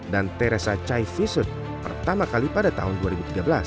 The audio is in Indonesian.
dan teresa chai visut pertama kali pada tahun dua ribu tiga belas